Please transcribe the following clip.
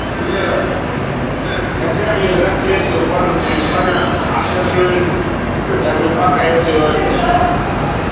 katika mikakati yetu kwanza tumefanya assessment ya mipaka yetu yote